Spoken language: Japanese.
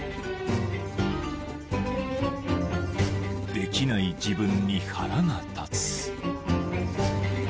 ［できない自分に腹が立つ］